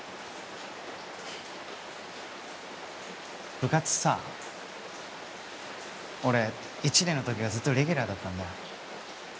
部活さ俺１年の時はずっとレギュラーだったんだ。